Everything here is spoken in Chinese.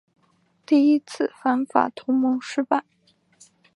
第一次反法同盟失败。